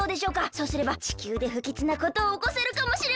そうすればちきゅうでふきつなことをおこせるかもしれません！